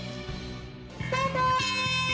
スタート！